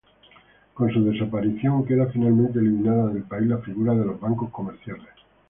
Con su desaparición queda finalmente eliminada del país la figura de los bancos comerciales.